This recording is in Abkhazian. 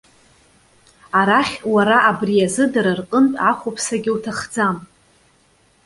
Арахь, уара абри азы дара рҟынтә ахәыԥсагьы уҭахӡам.